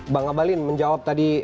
bang abalin menjawab tadi